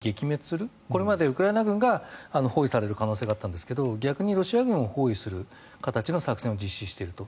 周辺のロシア軍を包囲撃滅するこれまでウクライナ軍が包囲される可能性があったんですけど逆にロシア軍を包囲する形の作戦を実施していると。